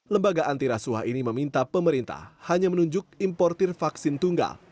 lembaga antirasuah ini meminta pemerintah hanya menunjuk importir vaksin tunggal